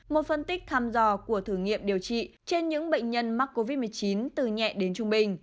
một phân tích thăm dò của thử nghiệm điều trị trên những bệnh nhân mắc covid một mươi chín từ nhẹ đến trung bình